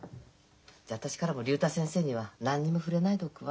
じゃ私からも竜太先生には何も触れないでおくわ。